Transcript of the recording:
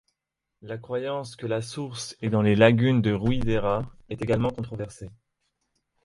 La croyance que la source est dans les lagunes de Ruidera est également controversée.